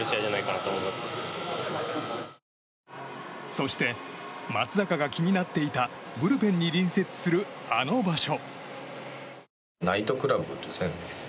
そして、松坂が気になっていたブルペンに隣接するあの場所。